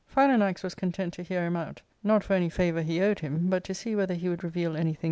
Philanax was content to hear him out, not for any favour he owed him, but to see whether he would reveal anything .